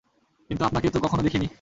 কিন্তু আপনাকে তো কখনো দেখিনি।